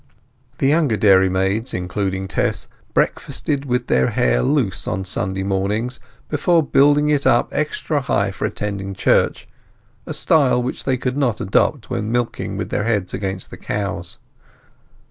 (The younger dairymaids, including Tess, breakfasted with their hair loose on Sunday mornings before building it up extra high for attending church, a style they could not adopt when milking with their heads against the cows.)